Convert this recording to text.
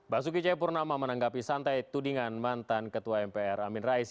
basuki cayapurnama menanggapi santai tudingan mantan ketua mpr amin rais